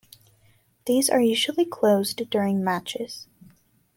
These are usually closed during matches.